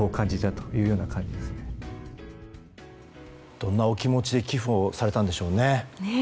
どんなお気持ちで寄付をされたんでしょうね。